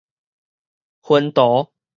薰陶